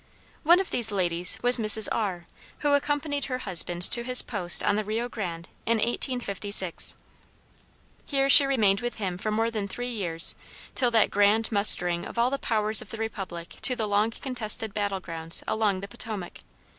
One of these ladies was Mrs. R , who accompanied her husband to his post on the Rio Grande, in 1856. Here she remained with him for more than three years, till that grand mustering of all the powers of the Republic to the long contested battle grounds along the Potomac.